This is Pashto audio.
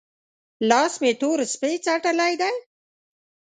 لاس مې تور سپۍ څټلی دی؟